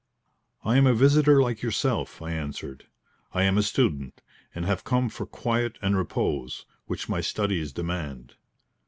"I am a visitor, like yourself," I answered. "I am a student, and have come for quiet and repose, which my studies demand."